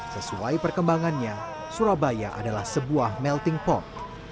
sesuai perkembangannya surabaya adalah sebuah melting pong